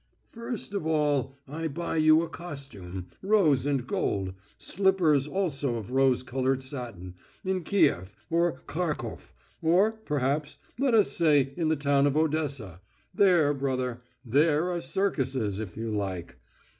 "First of all I buy you a costume, rose and gold ... slippers also of rose coloured satin ... in Kief or Kharkof, or, perhaps, let us say in the town of Odessa there, brother, there are circuses, if you like!...